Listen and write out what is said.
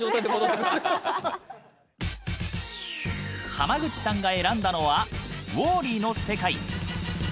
濱口さんが選んだのは「ウォーリー」の世界。